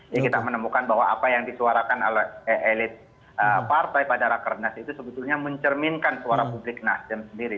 jadi kita menemukan bahwa apa yang disuarakan elit partai pada rakyat karnas itu sebetulnya mencerminkan suara publik nasdem sendiri